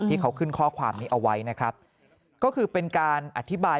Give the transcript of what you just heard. ที่เขาขึ้นข้อความนี้เอาไว้นะครับก็คือเป็นการอธิบาย